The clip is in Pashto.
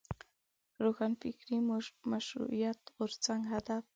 له روښانفکرۍ مو مشروطیت غورځنګ هدف دی.